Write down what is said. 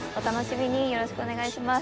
擇靴澆よろしくお願いします。